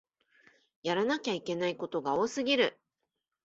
やらなきゃいけないことが多すぎる